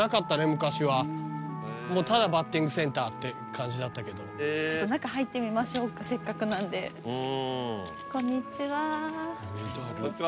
昔はただバッティングセンターって感じだったけどちょっと中入ってみましょうかせっかくなんでうんこんにちは・こんにちは